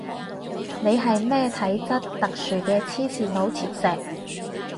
你係咩體質特殊嘅黐線佬磁石